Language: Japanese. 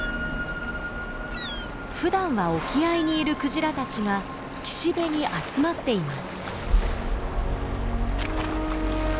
ふだんは沖合にいるクジラたちが岸辺に集まっています。